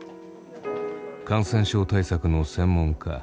感染症対策の専門家